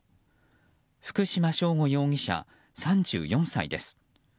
福島聖悟容疑者、３４歳です。